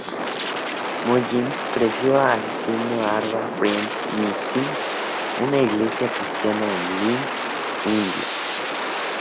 Mullins creció asistiendo "Arba Friends Meeting", una iglesia cristiana en Lynn, Indiana.